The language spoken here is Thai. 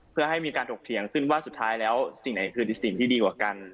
เพื่อให้มีการถกเถียงขึ้นว่าสุดท้ายแล้วสิ่งไหนคือสิ่งที่ดีกว่ากัน